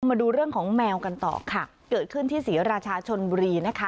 มาดูเรื่องของแมวกันต่อค่ะเกิดขึ้นที่ศรีราชาชนบุรีนะคะ